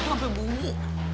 aduh kok bau bunyi